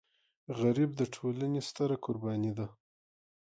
غریب د ټولنې ستره قرباني ده